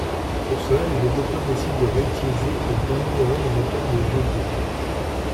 Pour cela, les développeurs décident de réutiliser et d’améliorer le moteur de jeu d’'.